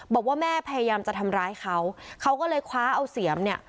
บอกว่าแม่พยายามจะทำร้ายเขาเขาก็เลยคว้าเอาเสียมเนี่ย